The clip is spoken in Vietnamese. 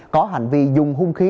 có hành vi dùng hung khí